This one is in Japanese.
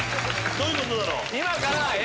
どういうことだろう？